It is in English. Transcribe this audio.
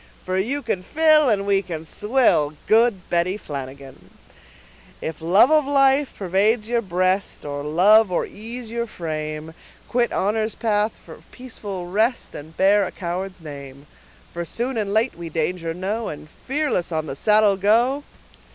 For you can fill, and we can swill, Good Betty Flanagan. If love of life pervades your breast, Or love of ease your frame, Quit honor's path for peaceful rest, And bear a coward's name; For soon and late, we danger know, And fearless on the saddle go.